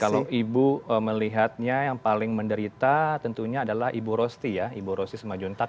kalau ibu melihatnya yang paling menderita tentunya adalah ibu rosti ya ibu rosti semajuntak